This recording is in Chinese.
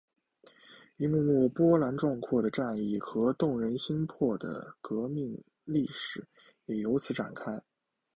一幕幕波澜壮阔的战役和动人心魄的革命历史也由此展开。